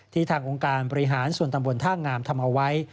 ทางองค์การบริหารส่วนตำบลท่างามทำเอาไว้